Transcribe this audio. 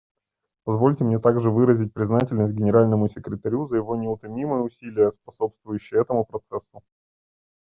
Позвольте мне также выразить признательность Генеральному секретарю за его неутомимые усилия, способствующие этому процессу.